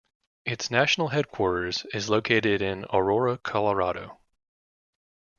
Its national headquarters is located in Aurora, Colorado.